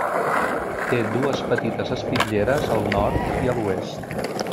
Té dues petites espitlleres, al nord i a l'oest.